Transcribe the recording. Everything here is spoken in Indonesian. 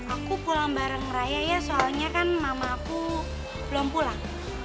aku pulang bareng raya ya soalnya kan mama aku belum pulang